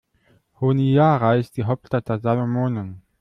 Honiara ist die Hauptstadt der Salomonen.